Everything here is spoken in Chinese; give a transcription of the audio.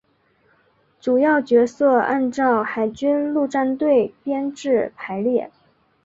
主要角色按照海军陆战队编制排列。